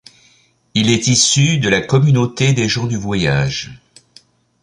Il est issu de la communauté des gens du voyage.